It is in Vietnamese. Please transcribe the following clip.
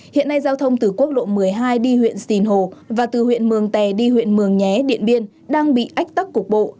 hiện nay giao thông từ quốc lộ một mươi hai đi huyện sìn hồ và từ huyện mường tè đi huyện mường nhé điện biên đang bị ách tắc cục bộ